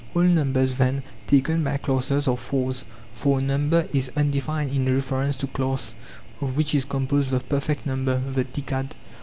All numbers, then, taken by elasses are fours (for number is undefined in reference to class), of which is composed the perfect number, the decad.